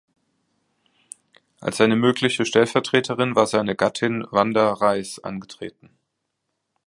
Als seine mögliche Stellvertreterin war seine Gattin Wanda Reis angetreten.